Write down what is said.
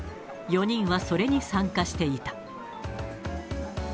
４人はそれに参加していた。